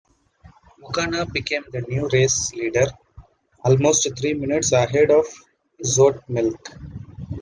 Ocana became the new race leader, almost three minutes ahead of Zoetemelk.